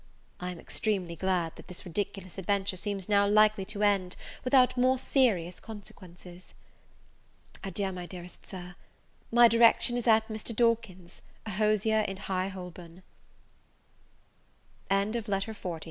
I am extremely glad that this ridiculous adventure seems now likely to end without more serious consequences. Adieu, my dearest Sir. My direction is at Mr. Dawkin's, a hosier in High Holborn. LETTER XLI EVELINA TO MIS